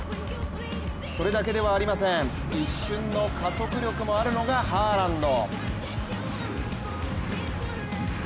それだけではありません、一瞬の加速力もあるのがハーランド。